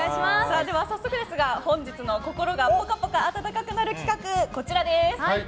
では早速ですが本日の心がぽかぽか温かくなる企画、こちらです。